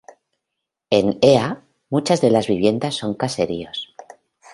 En Ea, muchas de las viviendas son caseríos.